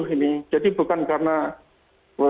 ini jadi bukan karena